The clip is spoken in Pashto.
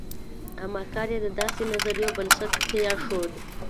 اما کار یې د داسې نظریو بنسټ کېښود.